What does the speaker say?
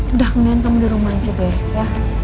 udah kenapa kamu di rumah aja deh ya